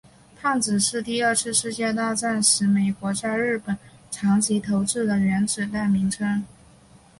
胖子是第二次世界大战时美国在日本长崎投掷的原子弹的名称。